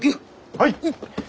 はい！